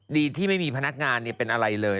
ดีที่ไม่มีพนักงานเป็นอะไรเลย